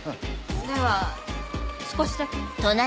では少しだけ。